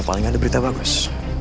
paling nggak ada berita bagus